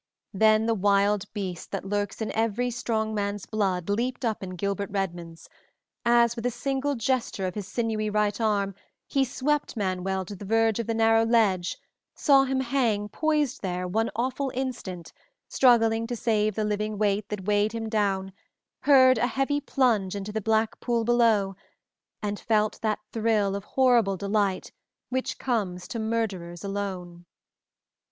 Then the wild beast that lurks in every strong man's blood leaped up in Gilbert Redmond's, as, with a single gesture of his sinewy right arm he swept Manuel to the verge of the narrow ledge, saw him hang poised there one awful instant, struggling to save the living weight that weighed him down, heard a heavy plunge into the black pool below, and felt that thrill of horrible delight which comes to murderers alone.